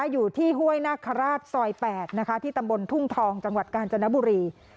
อยู่ที่ห้วยนาคาราชซอย๘ที่ตำบลทุ่งทองจังหวัดกาญจนบุรี